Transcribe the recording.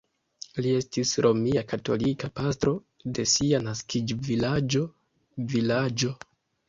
Li estis romia katolika pastro de sia naskiĝvilaĝo vilaĝo.